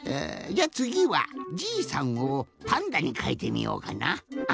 じゃつぎは「じいさん」を「パンダ」にかえてみようかな。